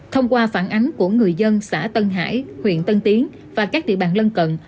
thông qua phản ánh của người dân xã tân hải huyện tân tiến và các địa bàn lân cận